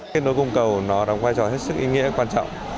kết nối cung cầu nó đóng vai trò hết sức ý nghĩa quan trọng